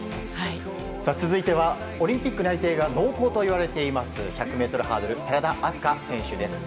続いてはオリンピック内定が濃厚と言われています１００ｍハードル寺田明日香選手です。